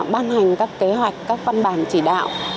ban hành các kế hoạch các văn bản chỉ đạo